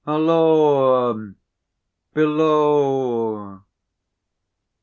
"Halloa! Below!"